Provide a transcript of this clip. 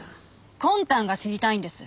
魂胆が知りたいんです。